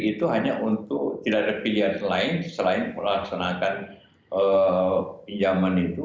itu hanya untuk tidak ada pilihan lain selain melaksanakan pinjaman itu